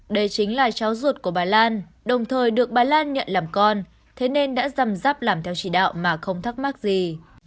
đây chính là cháu ruột của bà lan đồng thời được bà lan nhận làm con thế nên đã dầm dắp làm theo chỉ đạo mà không thắc mắc gì